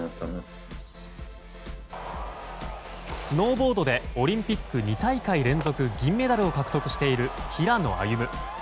スノーボードでオリンピック２大会連続銀メダルを獲得している平野歩夢。